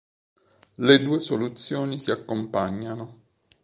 Le due soluzioni si accompagnano.